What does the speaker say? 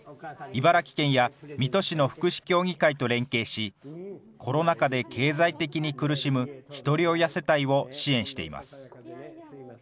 茨城県や水戸市の福祉協議会と連携し、コロナ禍で経済的に苦しむひとり親世帯を支援しています。